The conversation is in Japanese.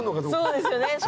そうですよね。